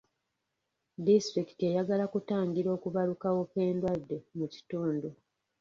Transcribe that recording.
Disitulikiti eyagala kutangira okubalukawo kw'endwadde mu kitundu.